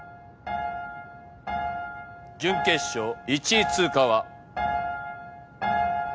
準決勝１位通過は。